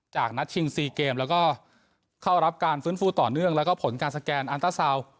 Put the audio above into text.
จากนัดชิง๔เกมแล้วก็เข้ารับการฟื้นฟูต่อเนื่องแล้วก็ผลการสแกนอันตราซาว